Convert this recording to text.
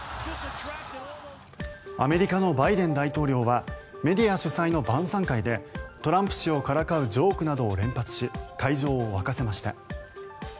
アメリカのバイデン大統領はメディア主催の晩さん会でトランプ氏をからかうジョークなどを連発し会場を沸かせました。